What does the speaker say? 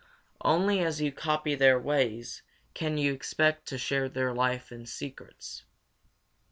Only as you copy their ways can you expect to share their life and their secrets.